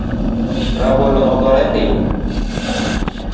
Rabolo ogore piny